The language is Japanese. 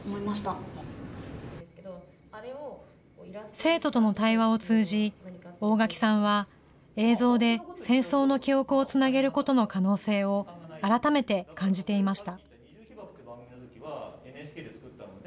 生徒との対話を通じ、大墻さんは、映像で戦争の記憶をつなげることの可能性を改めて感じていました。